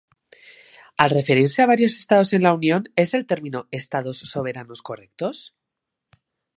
¿Al referirse a varios Estados en la unión es el término “estados soberanos” correctos?